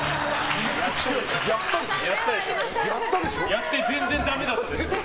やって全然ダメだったでしょ。